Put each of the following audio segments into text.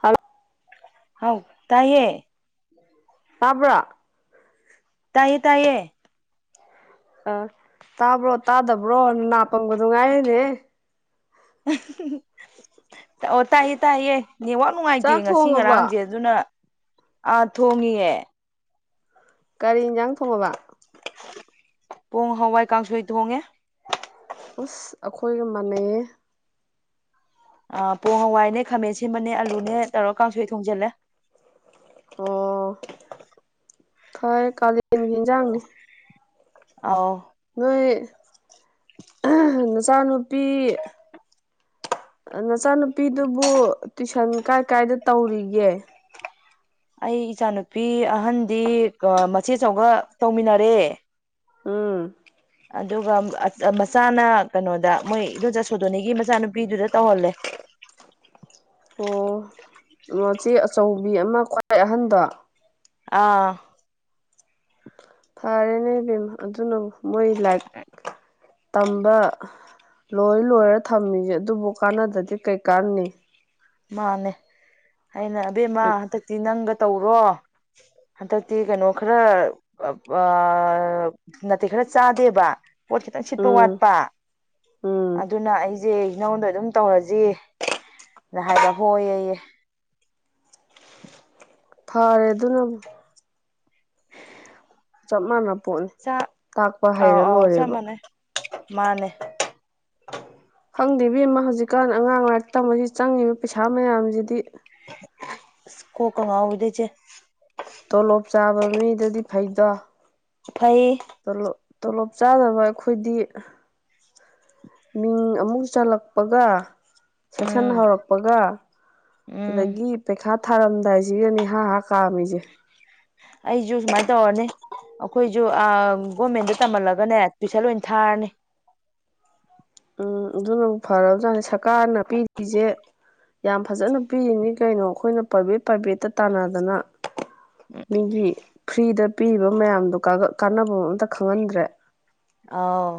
hello ꯍꯥꯎ ꯇꯥꯏꯌꯦ ꯇꯥꯕ꯭ꯔꯥ ꯇꯥꯏꯌꯦ ꯇꯥꯏꯌꯦ ꯑ ꯇꯥꯕ꯭ꯔꯣ ꯇꯥꯗꯕ꯭ꯔꯣ ꯅꯥꯄꯝꯕꯗꯨꯅꯨꯡ ꯉꯥꯏꯔꯤꯅꯦ ꯑꯣ ꯇꯥꯛꯑꯦ ꯇꯥꯛꯌꯦꯦ ꯅꯦꯠꯋꯥꯛ ꯅꯨꯡꯉꯥꯏꯇꯦ ꯆꯥꯛ ꯉꯁꯤ ꯊꯣꯡꯉꯕ ꯉꯔꯥꯡꯁꯦ ꯑꯗꯨꯅ ꯑꯥ ꯊꯣꯡꯉꯌꯦꯦ ꯒꯥꯔꯤ ꯏꯟꯖꯥꯡ ꯊꯣꯡꯉꯕ ꯄꯣꯡ ꯍꯋꯥꯏ ꯀꯥꯡꯁꯣꯏ ꯊꯣꯡꯉꯦ ꯑꯁ ꯑꯩꯈꯣꯏꯒ ꯃꯥꯟꯅꯩꯌꯦ ꯑ ꯄꯣꯡ ꯍꯋꯥꯏꯅꯦ ꯈꯥꯃꯦꯟ ꯁꯤꯟꯃꯅꯦ ꯑꯂꯨꯅꯦ ꯇꯧꯔꯛ ꯀꯥꯡꯁꯨꯣꯏ ꯊꯣꯡꯖꯤꯜꯂꯦ ꯑꯣ ꯐꯔ ꯀꯥꯂꯦꯟꯒꯤ ꯏꯟꯖꯥꯡꯅꯤ ꯑꯥꯎ ꯅꯣꯏ ꯅꯆꯥꯅꯨꯄꯤ ꯅꯆꯥꯅꯨꯄꯤꯗꯨꯕꯨ ꯇꯨꯏꯁꯟ ꯀꯥꯏ ꯀꯥꯏꯗ ꯇꯧꯔꯤꯒꯦ ꯑꯩ ꯏꯆꯥꯅꯨꯄꯤ ꯑꯍꯟꯗꯤ ꯃꯆꯦꯆꯒ ꯇꯧꯃꯤꯟꯅꯔꯦ ꯑꯥ ꯑꯗꯨꯒ ꯃꯆꯥꯅ ꯀꯩꯅꯣꯗ ꯃꯣꯏ ꯏꯣꯖ ꯁꯣꯗꯣꯅꯤꯒꯤ ꯃꯆꯥꯅꯨꯄꯤꯗꯨꯗ ꯇꯧꯍꯜꯂꯦ ꯃꯆꯦ ꯑꯆꯧꯕꯤ ꯑꯃ ꯈ꯭ꯋꯥꯏ ꯑꯍꯟꯗꯣ ꯑꯥ ꯐꯔꯦꯅꯦꯕꯦꯝꯦꯝ ꯑꯗꯨꯅ ꯃꯣꯏ ꯂꯥꯏꯛ ꯇꯝꯕ ꯂꯣꯏ ꯂꯣꯏꯔ ꯊꯝꯃꯤꯁꯦ ꯑꯗꯨꯕꯨ ꯀꯥꯟꯅꯗꯗꯤ ꯀꯩꯀꯥꯟꯅꯤ ꯃꯥꯅꯦ ꯑꯩꯅ ꯑꯕꯦꯝꯃ ꯍꯧꯖꯤꯛ ꯍꯟꯗꯛꯇꯤ ꯅꯪꯒ ꯇꯧꯔꯣ ꯍꯟꯗꯛꯇꯤ ꯀꯩꯅꯣ ꯈꯔ ꯠꯇꯦ ꯈꯔ ꯆꯥꯗꯦꯕ ꯄꯣꯠ ꯈꯤꯇꯪ ꯁꯤꯠꯄ ꯎꯝ ꯋꯥꯠꯄ ꯎꯝ ꯑꯗꯨꯅ ꯑꯩꯁꯦ ꯅꯉꯣꯟꯗ ꯑꯗꯨꯝ ꯇꯧꯔꯁꯤ ꯅ ꯍꯥꯏ ꯍꯣꯏꯑꯌꯦ ꯐꯥꯔꯦ ꯑꯗꯨꯅ ꯆꯞ ꯃꯥꯟ ꯄꯣꯠꯅꯤ ꯆꯥꯛ ꯇꯥꯛꯄ ꯑꯥꯎ ꯍꯩꯔ ꯑꯥꯎ ꯆꯞ ꯂꯣꯏꯔꯦꯕ ꯃꯥꯟꯅꯩ ꯃꯥꯅꯦ ꯈꯪꯗꯦ ꯕꯤꯦꯝꯃ ꯍꯧꯖꯤꯛꯀꯥꯟ ꯑꯉꯥꯡ ꯉꯥꯏꯔꯤ ꯇꯝꯕꯁꯤ ꯆꯪꯉꯤꯕ ꯄꯩꯁꯥ ꯃꯌꯥꯝꯁꯤꯗꯤ ꯀꯣ ꯀ ꯉꯎ ꯏꯗꯤ ꯆ ꯇꯣꯂꯣꯞ ꯆꯥꯕ ꯃꯤꯗꯨꯗꯤ ꯐꯩꯗꯣ ꯎꯐꯩ ꯂꯣꯞ ꯇꯣꯂꯣꯞ ꯆꯥꯗꯕ ꯑꯩꯈꯣꯏꯗꯤ ꯃꯤꯡ ꯑꯃꯨꯛ ꯆꯜꯂꯛꯄꯒ ꯁꯦꯛꯁꯟ ꯎꯝ ꯍꯧꯔꯛꯄꯒ ꯎꯝ ꯑꯗꯒꯤ ꯄꯩꯈꯥ ꯊꯥꯔꯝꯗꯥꯏꯁꯤꯒꯅꯤ ꯍꯥꯥ ꯍꯥ ꯀꯥꯝꯃꯤꯁꯦ ꯑꯩꯁꯨ ꯁꯨꯃꯥꯏꯅ ꯇꯧꯔꯅꯤ ꯑꯩꯈꯣꯏꯁꯨ ꯒꯣꯔꯃꯦꯟꯗ ꯇꯝꯍꯜꯂꯒꯅꯦ ꯇꯨꯏꯁꯟ ꯂꯣꯏ ꯊꯥꯔꯅꯤ ꯎꯝ ꯑꯗꯨꯅ ꯑꯃꯨꯛ ꯐꯔꯕꯖꯥꯠꯅꯤ ꯁꯔꯀꯥꯔꯅ ꯄꯤꯔꯤꯁꯦ ꯌꯥꯝ ꯐꯖꯅ ꯄꯤꯔꯤꯅꯤ ꯀꯩꯅꯣ ꯑꯩꯈꯣꯏꯅ ꯄ꯭ꯔꯥꯏꯚꯦꯠ ꯄ꯭ꯔꯥꯏꯚꯦꯠꯇ ꯇꯥꯟꯅꯗꯅ ꯃꯤꯒꯤ ꯐ꯭ꯔꯤꯗ ꯄꯤꯔꯤꯕ ꯃꯌꯥꯝꯗꯣ ꯀꯥꯟꯅꯕ ꯑꯝꯇ ꯈꯪꯍꯟꯗ꯭ꯔꯦ ꯑꯥꯎ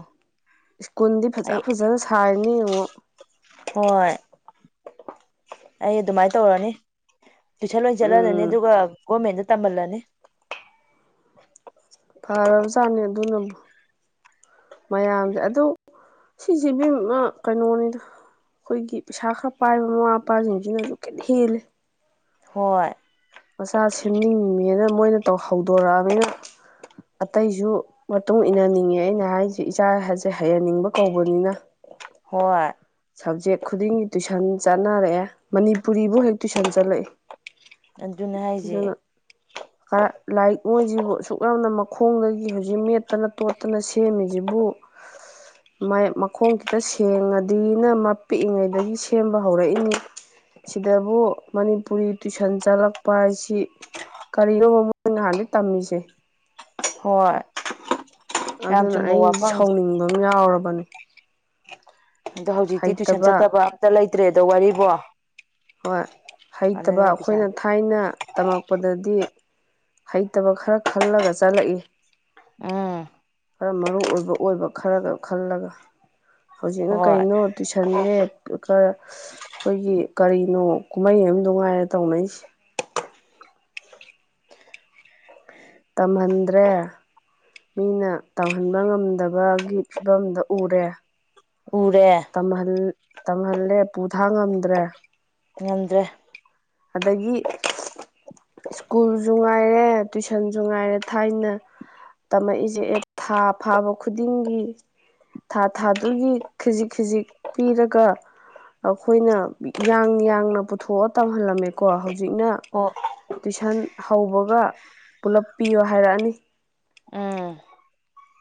ꯁ꯭ꯀꯨꯜꯗꯤ ꯐꯖ ꯑꯩ ꯐꯖꯅ ꯁꯥꯔꯤꯅꯤ ꯌꯦꯡꯉꯣ ꯍꯣꯏ ꯑꯩ ꯑꯗꯨꯃꯥꯏꯅ ꯇꯧꯔꯅꯤ ꯇꯨꯏꯁꯟ ꯂꯣꯏ ꯆꯠꯍꯜꯂꯅꯤ ꯎꯝ ꯑꯗꯨꯒ ꯒꯣꯔꯃꯦꯟꯗ ꯇꯝꯍꯜꯂꯅꯤ ꯐꯔꯕꯖꯥꯠꯅꯤ ꯑꯗꯨꯅꯕꯨ ꯃꯌꯥꯝꯖꯦ ꯑꯗꯨ ꯁꯤꯖꯦ ꯏꯕꯤꯝꯃꯥ ꯀꯩꯅꯣꯅꯤꯗ ꯑꯩꯈꯣꯏꯒꯤ ꯄꯩꯁꯥ ꯈꯔ ꯄꯥꯏꯕ ꯃꯃꯥ ꯃꯄꯥꯖꯤꯡꯖꯤꯅꯖꯨ ꯈꯤꯠ ꯍꯦꯜꯂꯤ ꯍꯣꯏ ꯃꯆꯥ ꯁꯦꯝꯅꯤꯡꯉꯦꯅ ꯃꯣꯏꯅ ꯇꯧ ꯍꯧꯗꯣꯔꯛꯑꯕꯅꯤꯅ ꯑꯇꯩꯖꯨ ꯃꯇꯨꯡ ꯏꯟꯅꯅꯤꯡꯉꯦ ꯑꯩꯅ ꯍꯥꯏꯖꯦ ꯏꯆꯥꯖꯦ ꯍꯩꯍꯟꯅꯤꯡꯕ ꯀꯧꯕꯅꯤꯅ ꯍꯣꯏ ꯁꯞꯖꯦꯛ ꯈꯨꯗꯤꯡꯒꯤ ꯇꯨꯏꯁꯟ ꯆꯠꯅꯔꯛꯑꯦ ꯃꯅꯤꯄꯨꯔꯤꯕꯧ ꯍꯦꯛ ꯇꯨꯏꯁꯟ ꯆꯠꯂꯛꯏ ꯑꯗꯨꯅꯦ ꯍꯥꯏꯖꯦ [inaudible] ꯈꯔ ꯂꯥꯏꯔꯤꯛ ꯃꯣꯏꯖꯤꯕꯨ ꯑꯁꯨꯛ ꯌꯥꯝꯅ ꯃꯈꯣꯡꯗꯒꯤ ꯍꯧꯖꯤꯛ ꯃꯦꯠꯇꯅ ꯇꯣꯠꯇꯅ ꯁꯦꯝꯃꯤꯖꯤꯕꯨ ꯃꯥꯏꯌꯦꯞ ꯃꯈꯣꯡ ꯈꯤꯠꯇ ꯁꯦꯡꯉ ꯗꯤꯅ ꯃꯞ ꯄꯤꯛꯏꯉꯩꯗꯒꯤ ꯁꯦꯝꯕ ꯍꯧꯔꯛꯏꯅꯤ ꯁꯤꯗꯕꯨ ꯃꯅꯤꯄꯨꯔꯤ ꯇꯨꯏꯁꯟ ꯆꯠꯂꯛꯄ ꯍꯥꯏꯁꯤ ꯀꯔꯤꯅꯣꯕ ꯃꯣꯏ ꯅꯍꯥꯟꯗꯩ ꯇꯝꯃꯤꯖꯦ ꯍꯣꯏ ꯌꯥꯝ ꯑꯗꯨꯅ ꯆꯨꯝꯕ ꯑꯩ ꯋꯥꯐꯝ ꯁꯥꯎꯅꯤꯡꯕ ꯑꯃ ꯌꯥꯎꯔꯕꯅꯦ ꯑꯗꯣ ꯍꯧꯖꯤꯛꯇꯤ ꯇꯨꯏꯁꯟ ꯍꯩꯇꯕ ꯆꯠꯇꯕ ꯑꯝꯇ ꯂꯩꯇ꯭ꯔꯦꯗꯣ ꯋꯥꯔꯤꯕꯣ ꯍꯣꯏ ꯍꯩꯇꯕ ꯑꯗꯨꯅ ꯑꯩꯈꯣꯏꯅ ꯄꯩꯁꯥꯗꯤ ꯊꯥꯏꯅ ꯇꯝꯃꯛꯄꯗꯗꯤ ꯍꯩꯇꯕ ꯈꯔ ꯈꯜꯂꯒ ꯆꯠꯂꯛꯏ ꯎꯝ ꯈꯔ ꯃꯔꯨ ꯑꯣꯏꯕ ꯑꯣꯏꯕ ꯈꯔꯒ ꯈꯜꯂꯒ ꯍꯧꯖꯤꯛꯅ ꯍꯣꯏ ꯀꯩꯅꯣ ꯇꯨꯏꯁꯟꯖꯦ ꯈꯔ ꯑꯩꯈꯣꯏꯒꯤ ꯀꯔꯤꯅꯣ ꯀꯨꯝꯍꯩꯑꯝꯗꯣ ꯉꯥꯏꯔꯦ ꯇꯧꯅꯩꯁꯦ ꯇꯝꯍꯟꯗ꯭ꯔꯦ ꯃꯤꯅ ꯇꯧꯍꯟꯕ ꯉꯝꯗꯕꯒꯤ ꯐꯤꯕꯝꯗ ꯎꯔꯦ ꯎꯔꯦ ꯇꯝꯍꯜ ꯇꯝꯍꯜꯂꯦ ꯄꯨꯊꯥꯡ ꯉꯝꯗ꯭ꯔꯦ ꯉꯝꯗ꯭ꯔꯦ ꯑꯗꯒꯤ ꯁ꯭ꯀꯨꯜꯖꯨ ꯉꯥꯏꯔꯦ ꯇꯨꯏꯁꯟꯖꯨ ꯉꯥꯏꯔꯦ ꯊꯥꯏꯅ ꯇꯝꯃꯛꯏꯖꯦ ꯑꯦ ꯊꯥ ꯐꯥꯕ ꯈꯨꯗꯤꯡꯒꯤ ꯊꯥ ꯊꯥꯗꯨꯒꯤ ꯈꯤꯖꯤꯛ ꯈꯤꯖꯤꯛ ꯄꯤꯔꯒ ꯑꯈꯣꯏꯅ ꯌꯥꯡ ꯌꯥꯡꯅ ꯄꯨꯊꯣꯛꯑ ꯇꯝꯍꯜꯂꯝꯃꯦꯀꯣ ꯍꯧꯖꯤꯛꯅ ꯍꯣ ꯇꯨꯏꯁꯟ ꯍꯧꯕꯒ ꯄꯨꯂꯞ ꯄꯤꯌꯣ ꯍꯥꯏꯔꯛꯑꯅꯤ ꯎꯝ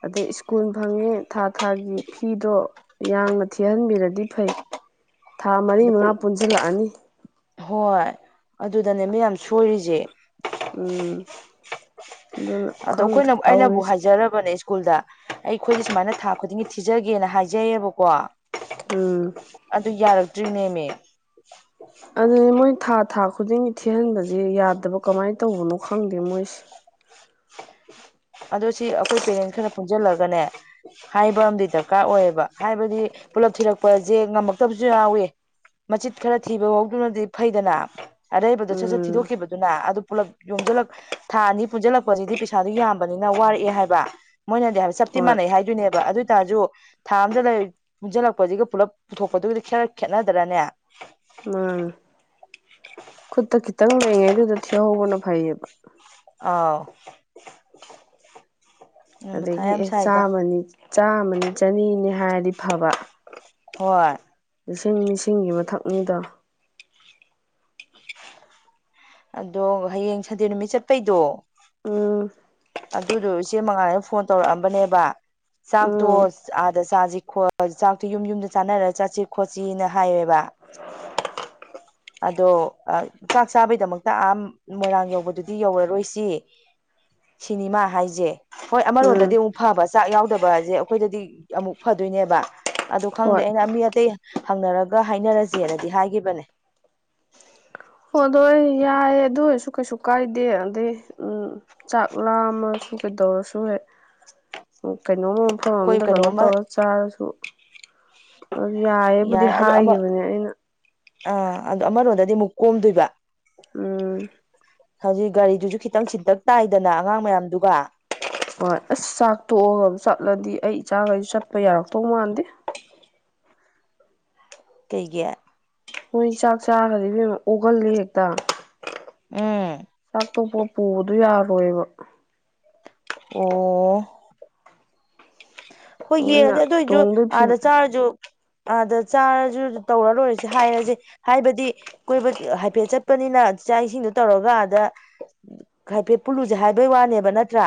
ꯑꯗꯩ ꯁ꯭ꯀꯨꯟ ꯐꯪꯉꯤ ꯊꯥ ꯊꯥꯒꯤ ꯐꯤꯗꯣ ꯌꯥꯡꯅ ꯊꯤꯍꯟꯕꯤꯔꯗꯤ ꯐꯩ ꯊꯥ ꯃꯔꯤ ꯑꯗꯨ ꯃꯉꯥ ꯄꯨꯂꯞ ꯄꯨꯟꯖꯤꯟꯂꯛꯑꯅꯤ ꯍꯣꯏ ꯑꯗꯨꯗꯅꯦꯃꯤ ꯌꯥꯝ ꯁꯣꯏꯔꯤꯖꯦ ꯎꯝ ꯑꯗꯨꯅ ꯑꯗꯣ ꯈꯪꯗ꯭ꯔꯦ ꯑꯩꯈꯣꯏꯅ ꯑꯩꯅꯕꯨ ꯇꯧꯔꯤꯁꯦ ꯍꯥꯏꯖꯔꯕꯅꯦ ꯀꯨꯜꯗ ꯑꯩꯈꯣꯏꯖꯦ ꯁꯨꯃꯥꯏꯅ ꯊꯥ ꯈꯨꯗꯤꯡꯒꯤ ꯊꯤꯖꯒꯦꯅ ꯍꯥꯏꯖꯩꯌꯦꯕꯀꯣ ꯎꯝ ꯑꯗꯨ ꯌꯥꯔꯛꯇ꯭ꯔꯤꯅꯦꯃꯤ ꯑꯗꯨꯅꯦ ꯃꯣꯏ ꯊꯥ ꯊꯥ ꯈꯨꯗꯤꯡꯒꯤ ꯊꯤꯍꯟꯕꯖꯦ ꯌꯥꯗꯕ ꯀꯃꯥꯏ ꯇꯧꯕꯅꯣ ꯈꯪꯗꯦ ꯃꯣꯏꯁꯦ ꯑꯗꯣ ꯁꯤ ꯑꯩꯈꯣꯏ ꯄꯦꯔꯦꯟꯁ ꯈꯔ ꯄꯨꯟꯖꯤꯜꯂꯒꯅꯦ ꯍꯥꯏꯕ ꯑꯝꯗꯤ ꯗ꯭ꯔꯀꯥꯔ ꯑꯣꯏꯕ ꯍꯥꯏꯕꯗꯤ ꯄꯨꯂꯞ ꯊꯤꯔꯛꯄꯖꯦ ꯉꯝꯃꯛꯇꯕꯖꯨ ꯌꯥꯎꯋꯤ ꯃꯆꯤꯠ ꯈꯔ ꯊꯤꯕꯐꯧꯗꯨꯅꯗꯤ ꯐꯩꯗꯅ ꯑꯔꯩꯕꯗꯣ ꯁꯠ ꯁꯠ ꯎꯝ ꯊꯤꯗꯣꯛꯈꯤꯕꯗꯨꯅ ꯑꯗꯨ ꯄꯨꯂꯞ ꯌꯣꯝꯖꯤꯜꯂꯛ ꯊꯥ ꯑꯅꯤ ꯄꯨꯟꯖꯤꯜꯂꯛꯄꯖꯤꯗꯤ ꯄꯤꯁꯥꯗꯨ ꯌꯥꯝ ꯕꯅꯤꯅ ꯋꯥꯔꯛꯑꯦ ꯍꯥꯏꯕ ꯃꯣꯏꯅꯗꯤ ꯍꯥꯏꯕ ꯆꯞꯇꯤ ꯍꯣꯏ ꯃꯥꯟꯅꯩ ꯍꯥꯏꯗꯣꯏꯅꯦꯕ ꯑꯗꯣꯏꯇꯥꯔꯖꯨ ꯊꯥ ꯑꯝꯗ ꯂꯩ ꯄꯨꯟꯖꯤꯜꯂꯛꯄꯖꯤꯒ ꯄꯨꯂꯞ ꯄꯨꯊꯣꯛꯄꯗꯨꯒꯗꯤ ꯈꯦꯠꯅꯠ ꯈꯦꯠꯅꯗ꯭ꯔꯅꯦ ꯎꯝ [unintelligible] ꯈꯨꯠꯇ ꯈꯤꯇꯪ ꯂꯩꯉꯦ ꯑꯗꯨꯗ ꯊꯤꯍꯧꯕꯅ ꯐꯩꯌꯦꯕ ꯑꯥꯎ ꯎꯝ ꯃꯊꯥ ꯑꯗꯒꯤ ꯌꯥꯝ ꯑꯦ ꯁꯥꯏꯗ ꯆꯥꯃꯅꯤ ꯆꯥꯃꯅꯤ ꯆꯅꯤꯅꯤ ꯍꯥꯏꯔꯗꯤ ꯐꯕ ꯍꯣꯏ ꯂꯤꯁꯤꯡ ꯂꯤꯁꯤꯡꯒꯤ ꯃꯊꯛꯅꯤꯗ ꯑꯗꯣ ꯍꯌꯦꯡ ꯁꯟꯗꯦ ꯅꯨꯃꯤꯠ ꯆꯠꯄꯩꯗꯣ ꯎꯝ ꯑꯗꯨꯗꯣ ꯏꯆꯦ ꯃꯉꯥꯜꯂꯩꯅ ꯐꯣꯟ ꯇꯧꯔꯛꯑꯝꯕꯅꯦꯕ ꯆꯥꯛꯇꯣ ꯎꯝ ꯑꯥꯗ ꯆꯥꯁꯤ ꯆꯥꯛꯇꯣ ꯌꯨꯝ ꯌꯨꯝꯗ ꯆꯥꯅꯔꯒ ꯆꯠꯁꯤ ꯈꯣꯠꯁꯤꯅ ꯍꯥꯏꯌꯦꯕ [inaudible] ꯑꯗꯣ ꯆꯥꯛ ꯆꯥꯕꯩꯗꯃꯛꯇ ꯑꯥ ꯃꯣꯏꯔꯥꯡ ꯌꯧꯕꯗꯨꯗꯤ ꯌꯧꯔꯔꯣꯏꯁꯤ ꯁꯤꯅꯤꯃꯥ ꯍꯥꯏꯁꯦ ꯍꯣꯏ ꯎꯝ ꯑꯃꯔꯣꯝꯗꯗꯤ ꯑꯃꯨꯛ ꯐꯕ ꯆꯥꯛ ꯌꯥꯎꯗꯕꯁꯦ ꯑꯩꯈꯣꯏꯗꯗꯤ ꯑꯃꯨꯛ ꯐꯗꯣꯏꯅꯦꯕ ꯑꯗꯨ ꯈꯪꯗꯦ ꯍꯣꯏ ꯑꯩꯅ ꯃꯤ ꯑꯇꯩ ꯍꯪꯅꯔꯒ ꯍꯥꯏꯅꯔꯁꯦꯅꯗꯤ ꯍꯥꯏꯒꯤꯈꯤꯕꯅꯦ ꯍ ꯑꯗꯨꯣ ꯌꯥꯏꯌꯦ ꯑꯗꯨ ꯑꯣꯏꯔꯁꯨ ꯀꯩꯁꯨ ꯀꯥꯏꯗꯦ ꯑꯗꯩ ꯎꯝ ꯆꯥꯛ ꯂꯥꯝꯃꯁꯨ ꯀꯩꯗꯧꯔꯁꯨ ꯍꯦꯛ ꯀꯩꯅꯣꯃ ꯃꯣ ꯑꯩꯈꯣꯏ ꯑꯝꯗ ꯀꯩꯅꯣ ꯀꯩꯅꯣꯝꯃ ꯇꯧꯔ ꯆꯥꯔꯁꯨ ꯑꯗꯨ ꯌꯥꯏꯌꯦꯦꯕꯨꯗꯤ ꯌꯥꯏ ꯑꯗꯣ ꯑꯃ ꯍꯥꯏꯈꯤꯕꯅꯦ ꯑꯩꯅ ꯑꯥ ꯑꯗꯨꯣ ꯑꯃꯔꯣꯝꯗꯗꯤ ꯑꯃꯨꯛ ꯀꯣꯝꯗꯣꯏꯕ ꯎꯝ ꯍꯧꯖꯤꯛ ꯒꯥꯔꯤꯗꯨꯁꯨ ꯈꯤꯇꯪ ꯁꯤꯟꯇꯛ ꯇꯥꯏꯗꯅ ꯑꯉꯥꯡ ꯃꯌꯥꯝꯗꯨꯒ ꯍꯣꯏ ꯑꯁ ꯆꯥꯛ ꯇꯣꯛꯑꯒ ꯆꯠꯂꯗꯤ ꯑꯩ ꯏꯆꯥꯈꯩꯁꯨ ꯆꯠꯄ ꯌꯥꯔꯛꯇꯧ ꯃꯥꯟꯗꯦ ꯀꯩꯒꯤꯦ ꯃꯣꯏ ꯆꯥꯛ ꯆꯥꯈꯗꯤ ꯑꯣꯍꯜꯂꯤ ꯍꯦꯛꯇ ꯎꯝ ꯆꯥꯛꯇꯣꯛꯄ ꯄꯨꯕꯗꯨ ꯌꯥꯔꯣꯏꯕ ꯑꯣ ꯍꯣꯏ ꯑꯗꯨꯅ ꯌꯦꯡꯉꯗꯤ ꯑꯗꯨꯏꯁꯨ ꯇꯣꯡꯗꯣꯏ ꯑꯥꯗ ꯐꯤꯕꯝ ꯆꯥꯔꯁꯨ ꯑꯗ ꯆꯥꯔꯁꯨ ꯇꯧꯔ ꯂꯣꯏꯔꯁꯦ ꯍꯥꯏꯔꯁꯦ ꯍꯥꯏꯕꯗꯤ ꯀꯣꯏꯕ ꯍꯥꯏꯐꯦꯠ ꯆꯠꯄꯅꯤꯅ ꯆꯥꯛ ꯏꯁꯤꯡꯗꯨꯣ ꯇꯧꯔꯒꯗ ꯍꯥꯏꯐꯦꯠ ꯄꯨꯜꯂꯨꯁꯦ ꯍꯥꯏꯕꯩ ꯋꯥꯅꯦꯕ ꯅꯠꯇ꯭ꯔꯥ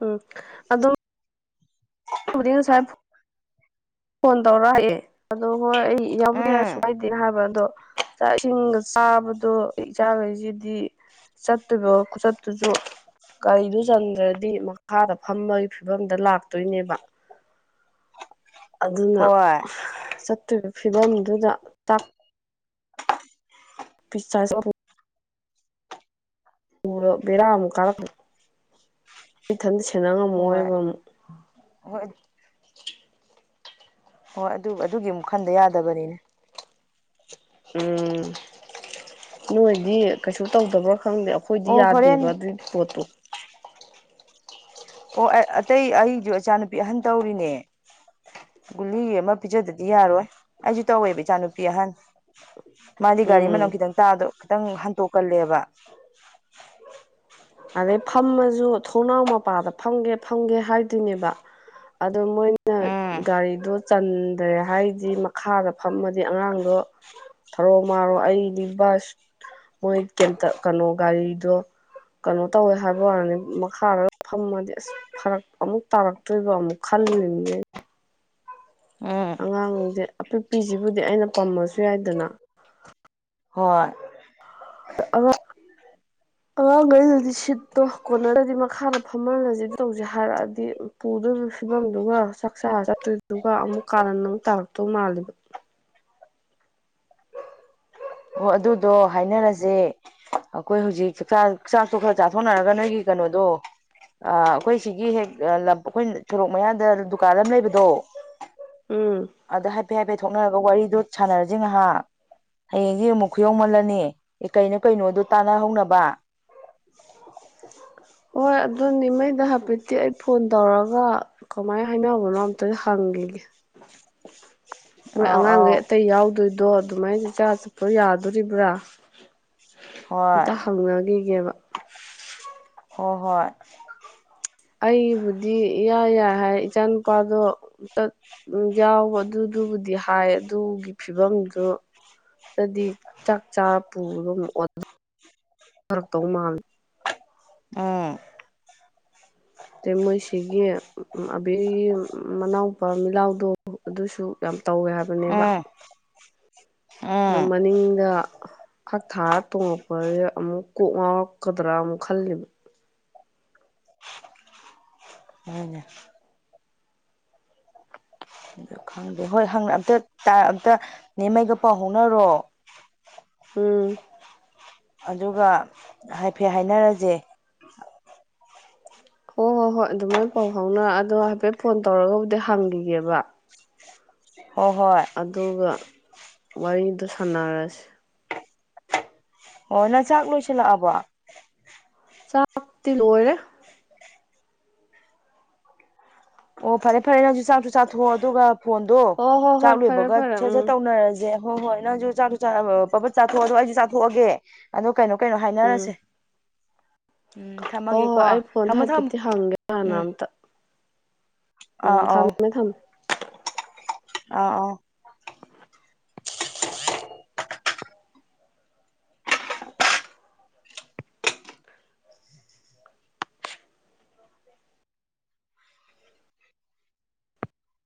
ꯎꯝ ꯑꯣ ꯑ ꯁꯥꯦ ꯐꯣꯟ ꯇꯧꯔꯛꯑꯑꯦ ꯑꯗꯣ ꯍꯣꯏ ꯑꯩ ꯌꯥꯎꯗꯤꯁꯨꯨꯡ ꯎꯝ ꯀꯥꯏꯗꯦ ꯍꯥꯏꯕ ꯑꯗꯣ ꯆꯥꯛ ꯏꯁꯤꯡꯒ ꯆꯥꯕꯗꯣ ꯏꯆꯥꯈꯩꯁꯤꯗꯤ ꯆꯠꯇꯕ ꯆꯠꯇꯨꯁꯨ ꯀꯔꯤꯗꯨ ꯆꯟꯗ꯭ꯔꯗꯤ ꯃꯈꯥꯗ ꯐꯝꯕꯒꯤ ꯐꯤꯕꯝꯗ ꯂꯥꯛꯇꯣꯏꯅꯦꯕ ꯑꯗꯨꯅ ꯍꯣꯏ ꯆꯠꯇꯔꯤꯕ ꯐꯤꯕꯝꯗꯨꯗ ꯆꯥꯛ ꯄꯁ ꯎꯕꯗꯣ ꯕꯦꯔꯥ ꯑꯃꯨꯛ ꯀꯥꯔꯛꯄ ꯏꯊꯟꯇ ꯁꯦꯟꯅ ꯍꯣꯏ ꯉꯝꯃꯣꯣꯏꯕ ꯑꯃꯨꯛ ꯍꯣꯏ ꯍꯣꯏ ꯑꯗꯨ ꯑꯗꯨꯒꯤ ꯈꯟꯗ ꯌꯥꯗꯕꯅꯤꯅꯦ ꯎꯝ ꯅꯣꯏꯗꯤ ꯀꯩꯁꯨ ꯇꯧꯗꯕ꯭ꯔꯣ ꯈꯪꯗꯦ ꯑꯩꯈꯣꯏꯗꯤ ꯑꯣ ꯍꯣꯔꯦꯟ ꯌꯥꯗꯦꯕ ꯑꯗꯨꯒꯤ ꯄꯣꯠꯇꯣ ꯑꯣ ꯑꯇꯩ ꯑꯩꯁꯨ ꯏꯆꯥꯅꯨꯄꯤ ꯑꯍꯟ ꯇꯧꯔꯤꯅꯦ ꯒꯨꯂꯤ ꯑꯃ ꯄꯤꯖꯗꯗꯤ ꯌꯥꯔꯣꯏ ꯑꯩꯁꯨ ꯇꯧꯋꯦꯕ ꯏꯆꯥꯅꯨꯄꯤ ꯑꯍꯟ ꯃꯥꯗꯤ ꯒꯥꯔꯤ ꯃꯅꯝ ꯎꯝ ꯈꯤꯇꯪ ꯇꯥꯗꯣ ꯈꯤꯇꯪ ꯍꯟꯇꯣꯛꯀꯜꯂꯦꯕ ꯑꯗꯩ ꯐꯝꯃꯁꯨ ꯊꯣꯡꯅꯥꯎ ꯃꯄꯥꯗ ꯐꯝꯒꯦ ꯐꯝꯒꯦ ꯍꯥꯏꯗꯣꯏꯅꯦꯕ ꯑꯗꯣ ꯃꯣꯏꯅ ꯎꯝ ꯒꯥꯔꯤꯗꯣ ꯆꯟꯗ꯭ꯔꯦ ꯍꯥꯏꯖꯤ ꯃꯈꯥꯗ ꯐꯝꯃꯗꯤ ꯑꯉꯥꯡꯗꯣ ꯊꯥꯔꯣ ꯃꯥꯔꯣ ꯑꯩꯗꯤ ꯕꯁ ꯃꯣꯏ ꯀꯦꯟꯇ ꯀꯩꯅꯣ ꯒꯥꯔꯤꯗꯣ ꯀꯩꯅꯣ ꯇꯧꯋꯦ ꯍꯥꯏꯕ ꯋꯥꯅꯤ ꯃꯈꯥꯗꯒ ꯐꯝꯃꯗꯤ ꯑꯁ ꯐꯔꯛ ꯑꯃꯨꯛ ꯇꯥꯔꯛꯇꯣꯏꯕ ꯑꯃꯨꯛ ꯈꯜꯂꯤꯅꯤꯅꯦ ꯎꯝ ꯑꯉꯥꯡꯖꯦ ꯑꯄꯤꯛꯄꯤꯁꯤꯕꯨꯗꯤ ꯑꯩꯅ ꯄꯝꯃꯁꯨ ꯌꯥꯏꯗꯅ ꯍꯣꯏ ꯇ ꯑꯉꯥꯡ ꯑꯉꯥꯡꯈꯩꯗꯗꯤ ꯁꯤꯠꯇꯣ ꯀꯣꯟꯅꯗꯔꯗꯤ ꯃꯈꯥꯗ ꯐꯝꯍꯜꯂꯁꯤ ꯑꯗꯨ ꯇꯧꯁꯦ ꯍꯥꯏꯔꯛꯑꯗꯤ ꯄꯨꯗꯣꯔꯤꯕ ꯐꯤꯕꯝꯗꯨꯒ ꯆꯥꯛꯆꯥꯥꯔ ꯆꯠꯇꯣꯏꯗꯨꯒ ꯑꯃꯨꯛ ꯀꯔꯟ ꯃꯨꯛ ꯇꯥꯔꯛꯇꯧ ꯃꯥꯜꯂꯤꯕ ꯍꯣ ꯑꯗꯨꯗꯣ ꯍꯥꯏꯅꯔꯖꯦ ꯑꯈꯣꯏ ꯍꯧꯖꯤꯛ ꯆꯥꯛꯆ ꯆꯥꯛꯇꯣ ꯈꯔ ꯆꯥꯊꯣꯛꯅꯔꯒ ꯅꯣꯏꯒꯤ ꯀꯩꯅꯣꯗꯣ ꯑ ꯑꯩꯈꯣꯏ ꯁꯤꯒꯤ ꯍꯦꯛ ꯂꯝ ꯑꯩꯈꯣꯏ ꯁꯣꯔꯣꯛ ꯃꯌꯥꯗ ꯗꯨꯀꯥꯟ ꯑꯃ ꯂꯩꯕꯗꯣ ꯎꯝ ꯑꯗ ꯍꯥꯏꯐꯦꯠ ꯍꯥꯏꯐꯦꯠ ꯊꯣꯛꯅꯔꯒ ꯋꯥꯔꯤꯗꯣ ꯁꯥꯅꯔꯖꯦ ꯉꯥꯏꯍꯥꯛ ꯍꯌꯦꯡꯗꯤ ꯑꯃꯨꯛ ꯈꯨꯌꯧꯃꯜꯂꯅꯤ ꯑꯦ ꯀꯩꯅꯣ ꯀꯩꯅꯣꯗꯣ ꯇꯥꯅ ꯍꯧꯅꯕ [inaudible] ꯍꯣꯏ ꯑꯗꯨꯅꯦ ꯅꯣꯏꯗ ꯍꯥꯏꯐꯦꯠꯇꯤ ꯑꯩ ꯐꯣꯟ ꯇꯧꯔꯒ ꯀꯃꯥꯏꯅ ꯍꯥꯏꯅꯕꯅꯣ ꯑꯝꯇ ꯍꯪꯒꯤꯒꯦ ꯃꯣꯏ ꯑꯧ ꯑꯧ ꯑꯉꯥꯡꯒꯩ ꯑꯇꯩ ꯌꯥꯎꯗꯣꯏꯗꯣ ꯑꯗꯨꯃꯥꯏꯅ ꯆꯔꯥ ꯆꯠꯄ ꯌꯥꯗꯣꯔꯤꯕ꯭ꯔꯥ ꯍꯣꯏ ꯑꯝꯇ ꯍꯪꯅꯒꯤꯒꯦꯕ ꯍꯣ ꯍꯣꯏ ꯑꯩꯕꯨꯗꯤ ꯏꯌꯥ ꯌꯥꯏ ꯍꯥꯏ ꯏꯆꯥ ꯅꯨꯨꯄꯥꯗꯣ ꯑꯝꯇ ꯎꯝ ꯌꯥꯎꯕ ꯑꯗꯨꯗꯨꯕꯨꯗꯤ ꯍꯥꯏ ꯑꯗꯨꯒꯤ ꯐꯤꯕꯝꯗꯣ ꯅꯇ꯭ꯔꯗꯤ ꯆꯥꯛ ꯆꯥꯔ ꯄꯨꯕꯗꯣ ꯃꯨꯛ ꯑꯣꯊ ꯔꯚꯇꯧ ꯃꯥꯜꯂꯦ ꯎꯝ ꯇꯦ ꯃꯣꯏꯁꯤꯒꯤ ꯎ ꯎꯝ ꯑꯕꯦꯒꯤ ꯃꯅꯥꯎꯄꯥ ꯃꯤꯠꯂꯥꯎꯗꯣ ꯑꯗꯨꯁꯨ ꯌꯥꯝ ꯇꯧꯋꯦ ꯍꯥꯏꯕꯅꯦꯕ ꯎꯝ ꯑꯗꯣ ꯎꯝ ꯃꯅꯤꯡꯗ ꯐꯛ ꯊꯥ ꯇꯣꯉꯛꯄꯖꯦ ꯑꯃꯨꯛ ꯀꯣꯛ ꯉꯥꯎꯔꯛꯀꯗ꯭ꯔꯥ ꯑꯃꯨꯛ ꯈꯜꯂꯤꯕ ꯍꯣꯏꯅꯦ ꯈꯪꯗꯦ ꯍꯣꯏ ꯍꯪ ꯑꯝꯇ ꯇ ꯑꯝꯇ ꯅꯦꯝꯃꯩꯒ ꯄꯥꯎ ꯐꯥꯎꯅꯔꯣ ꯎꯝ ꯑꯗꯨꯒ ꯍꯥꯏꯐꯦꯠ ꯍꯥꯏꯅꯔꯁꯦ ꯍꯣꯏ ꯍꯣꯏ ꯍꯣꯏ ꯑꯗꯨꯃꯥꯏꯅ ꯄꯥꯎ ꯐꯥꯎꯅꯔ ꯑꯗꯣ ꯍꯥꯏꯐꯦꯠ ꯐꯣꯟ ꯇꯧꯔꯒꯕꯨꯗꯤ ꯍꯥꯡꯒꯤꯒꯦꯕ ꯍꯣꯏ ꯍꯣꯏ ꯑꯗꯨꯒ ꯋꯥꯔꯤꯗꯣ ꯁꯥꯅꯔꯁꯤ ꯑꯣ ꯅꯪ ꯆꯥꯛ ꯂꯣꯏꯁꯤꯜꯂꯛꯑꯕꯣ ꯆꯥꯛꯇꯤ ꯂꯣꯏꯔꯦ ꯑꯣ ꯐꯥꯔꯦ ꯐꯥꯔꯦ ꯅꯪꯁꯨ ꯆꯥꯛꯁꯨ ꯆꯥꯊꯣꯛꯑꯣ ꯑꯗꯨꯒ ꯐꯣꯟꯗꯣ ꯍꯣꯏ ꯍꯣꯏ ꯆꯥꯛ ꯍꯣꯏ ꯐꯔꯦ ꯂꯣꯏꯕꯒ ꯐꯔꯦ ꯁꯠ ꯎꯝ ꯁꯠ ꯇꯧꯅꯔꯁꯦ ꯍꯣꯏ ꯍꯣꯏ ꯅꯪꯁꯨ ꯆꯥꯛꯁꯨ ꯆꯥ ꯄꯄꯠ ꯆꯥꯊꯣꯛꯑꯗꯣ ꯑꯩꯁꯨ ꯆꯥꯊꯣꯛꯑꯒꯦ ꯑꯗꯣ ꯀꯩꯅꯣ ꯀꯩꯅꯣ ꯎꯝ ꯍꯥꯏꯅꯔꯁꯦ ꯎꯝ ꯍꯣꯏ ꯍꯣꯏ ꯊꯝꯃꯒꯦꯀꯣ ꯑꯩ ꯐꯣꯟꯗ ꯊꯝꯃꯣ ꯊꯝꯃꯣ ꯍꯥꯏꯐꯦꯠꯇꯤ ꯍꯪꯒꯦ ꯍꯥꯟꯅ ꯎꯝ ꯑꯝꯇ ꯑꯥ ꯎꯝ ꯑꯧ ꯊꯝꯃꯦ ꯊꯝꯃꯦ ꯑꯥ ꯑꯥ